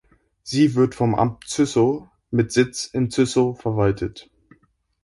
Sie wird vom Amt Züssow mit Sitz in Züssow verwaltet.